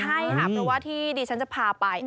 ใช่ค่ะเพราะว่าที่ดิฉันจะพาไป